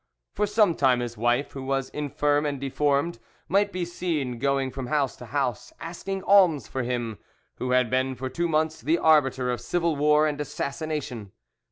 For some time his wife, who was infirm and deformed, might be seen going from house to house asking alms for him, who had been for two months the arbiter of civil war and assassination.